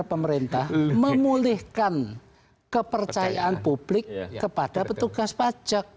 pemerintah memulihkan kepercayaan publik kepada petugas pajak